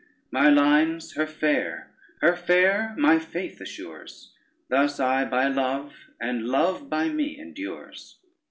My lines her fair, her fair my faith assures; Thus I by love, and love by me endures.